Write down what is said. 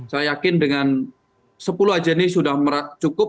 saya yakin dengan sepuluh agen ini sudah cukup